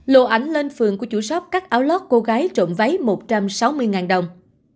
lộ ảnh lên phường của chủ shop cắt áo lót cô gái trộm váy một trăm sáu mươi đồng